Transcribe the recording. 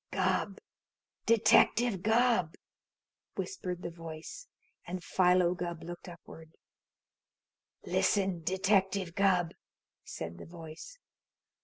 "Gubb! Detective Gubb!" whispered the voice, and Philo Gubb looked upward. "Listen, Detective Gubb," said the voice.